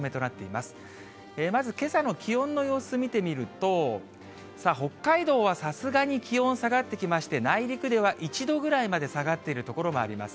まずけさの気温の様子、見てみると、さあ、北海道はさすがに気温下がってきまして、内陸では１度ぐらいまで下がっている所もあります。